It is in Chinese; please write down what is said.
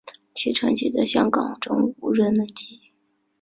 其成绩在香港中无人能及。